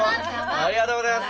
ありがとうございます！